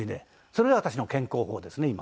それが私の健康法ですね今。